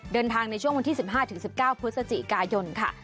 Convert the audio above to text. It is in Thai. เดินทางในช่วงวันที่๑๕ถึง๑๙พฤศจิกายนค่ะ